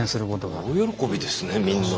大喜びですねみんな。